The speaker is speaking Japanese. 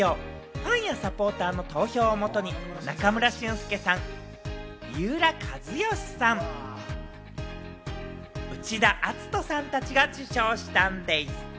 ファンやサポーターの投票をもとに中村俊輔さん、三浦知良さん、内田篤人さんたちが受賞したんでぃす！